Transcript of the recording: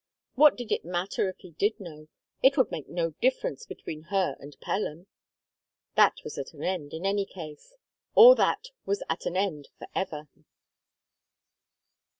What did it matter if he did know? It would make no difference between her and Pelham. That was at an end, in any case; all that was at an end for ever.